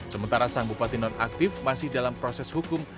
sementara sang bupati nonaktif masih dalam proses hukum